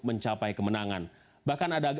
mencapai kemenangan bahkan ada